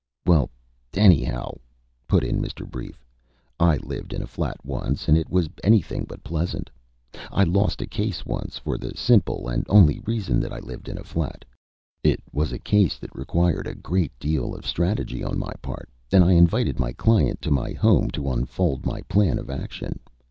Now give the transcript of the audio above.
"Well, anyhow," put in Mr. Brief, "I lived in a flat once, and it was anything but pleasant. I lost a case once for the simple and only reason that I lived in a flat. It was a case that required a great deal of strategy on my part, and I invited my client to my home to unfold my plan of action.